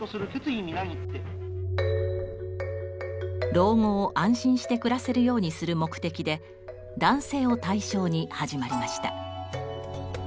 老後を安心して暮らせるようにする目的で男性を対象に始まりました。